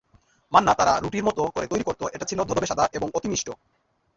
মান্না তারা রুটির মত করে তৈরি করত এটা ছিল ধধবে সাদা এবং অতি মিষ্ট।